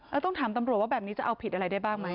แล้วต้องถามตำรวจว่าแบบนี้จะเอาผิดอะไรได้บ้างไหม